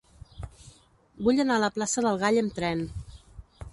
Vull anar a la plaça del Gall amb tren.